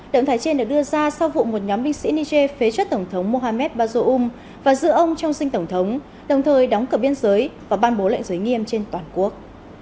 động thái trên được đưa ra sau vụ một nhóm binh sĩ niger phế chất tổng thống mohamed bazoum và giữ ông trong sinh tổng thống đồng thời đóng cửa biên giới và ban bố lệnh giới nghiêm trên toàn quốc